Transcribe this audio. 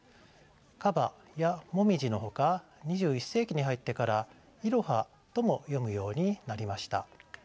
「かば」や「もみじ」のほか２１世紀に入ってから「いろは」とも読むようになりました。